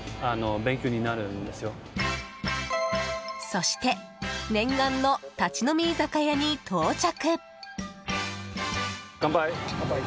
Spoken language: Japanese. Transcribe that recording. そして念願の立ち飲み居酒屋に到着。